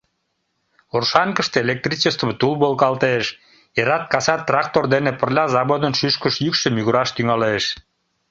Оршанкыште электричество тул волгалтеш, эрат-касат трактор дене пырля заводын шӱшкыш йӱкшӧ мӱгыраш тӱҥалеш.